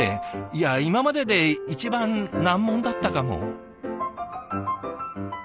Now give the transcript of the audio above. いや今までで一番難問だったかも。